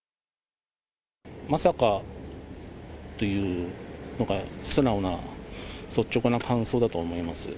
まさかというのが素直な率直な感想だと思います。